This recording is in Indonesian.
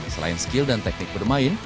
selain skill dan teknik bermain